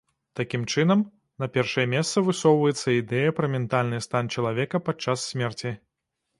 Такім чынам, на першае месца высоўваецца ідэя пра ментальны стан чалавека падчас смерці.